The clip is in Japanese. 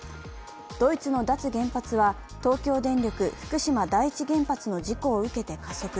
ドイツの脱原発は東京電力福島第一原発の事故を受けて加速。